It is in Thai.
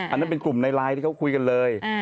อันนั้นเป็นกลุ่มในไลน์ที่เขาคุยกันเลย